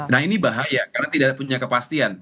nah ini bahaya karena tidak punya kepastian